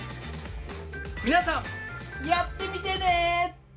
皆さんやってみてね！